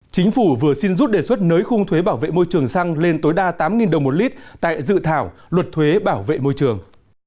chính phủ vừa xin rút đề xuất nới khung thuế bảo vệ môi trường xăng lên tối đa tám đồng một lít tại dự thảo luật thuế bảo vệ môi trường